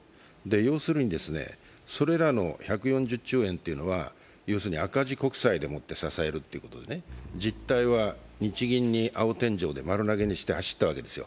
要するにそれらの１４０兆円というのは赤字国債でもって支えるという実態は日銀は青天井で丸投げで走ったわけですよ。